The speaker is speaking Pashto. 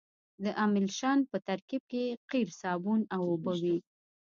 د املشن په ترکیب کې قیر صابون او اوبه وي